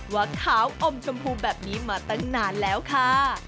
ว่าขาวอมชมพูแบบนี้มาตั้งนานแล้วค่ะ